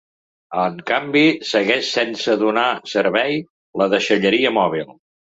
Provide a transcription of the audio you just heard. En canvi segueix sense donar servei la deixalleria mòbil.